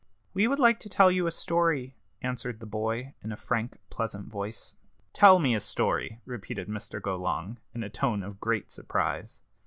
"We would like to tell you a story," answered the boy, in a frank, pleasant voice. "Tell me a story!" repeated Mr. Golong, in a tone of great surprise.